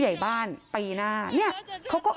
โชว์บ้านในพื้นที่เขารู้สึกยังไงกับเรื่องที่เกิดขึ้น